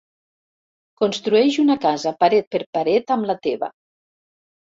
Construeix una casa paret per paret amb la teva.